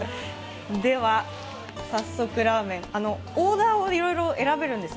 では、早速ラーメン、オーダーをいろいろ選べるんですよ。